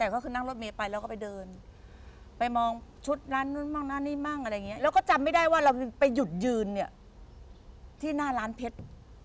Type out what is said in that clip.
ก็ไปหยุดยืนที่หน้าร้านเพชร